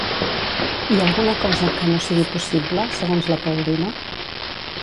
Hi ha alguna cosa que no sigui possible, segons la Paulina?